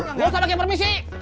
nggak usah pake permisi